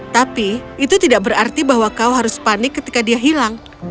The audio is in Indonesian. tapi itu tidak berarti bahwa kau harus panik ketika dia hilang